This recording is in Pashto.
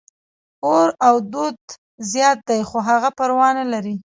اور او دود زیات دي، خو هغه پروا نه لري.